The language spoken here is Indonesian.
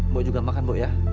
mbak juga makan mbak ya